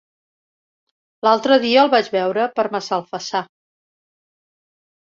L'altre dia el vaig veure per Massalfassar.